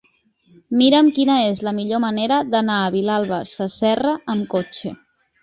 Mira'm quina és la millor manera d'anar a Vilalba Sasserra amb cotxe.